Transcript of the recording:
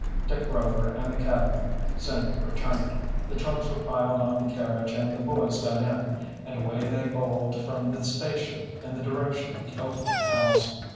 Dick Rover and the cabman soon returned. The trunks were piled on the carriage and the boys got in, and away they bowled from the station in the direction of the Oakland House.